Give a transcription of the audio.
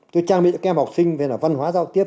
tôi trang bị cho các em học sinh về văn hóa giao tiếp